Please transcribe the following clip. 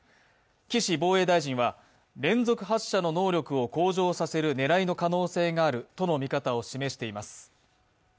岸防衛大臣は、連続発射の能力を向上させる狙いの可能性があるとの見方を示しています。